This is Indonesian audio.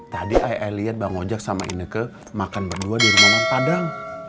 tadi ayah lihat bang ojak sama ineke makan berdua di rumah rumah padang